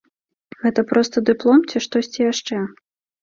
Гэта проста дыплом ці штосьці яшчэ?